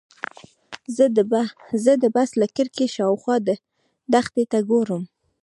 زه د بس له کړکۍ شاوخوا دښتې ته ګورم.